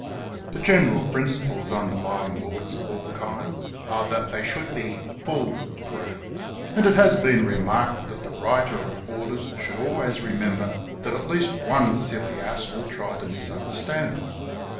The general principles underlying orders of all kinds are that they should be " fool proof," and it has been remarked that the writer of orders should always remember that at least one silly ass will try to mis understand them.